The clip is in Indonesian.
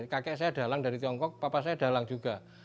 kakek saya dalang dari tiongkok papa saya dalang juga